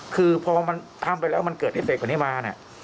คือพอมันทำไปแล้วมันเกิดเอฟเฟคกว่านี้มาเนี่ย